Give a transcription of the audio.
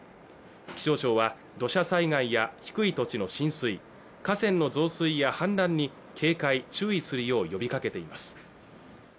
気象庁は土砂災害や低い土地の浸水河川の増水や氾濫に警戒注意するよう呼びかけています